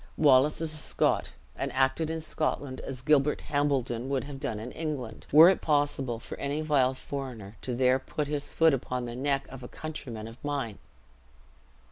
Wallace is a Scot, and acted in Scotland as Gilbert Hambledon would have done in England, were it possible for any vile foreigner to there put his foot upon the neck of a countryman of mine.